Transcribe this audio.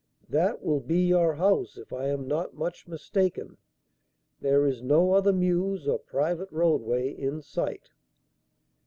"That will be your house if I am not much mistaken. There is no other mews or private roadway in sight."